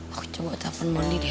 aku coba telfon mon di deh